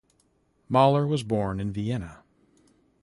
Mahler was born in Vienna.